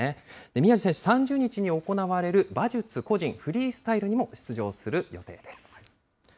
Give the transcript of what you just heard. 宮路選手、３０日に行われる馬術個人フリースタイルにも出場する予定です。